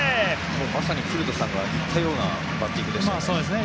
まさに古田さんが言ったようなバッティングでしたね。